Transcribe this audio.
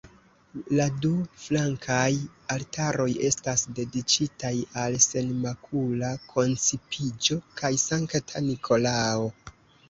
La du flankaj altaroj estas dediĉitaj al Senmakula Koncipiĝo kaj Sankta Nikolao.